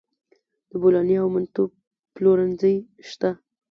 د بولاني او منتو پلورنځي شته